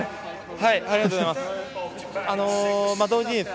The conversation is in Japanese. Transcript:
ありがとうございます。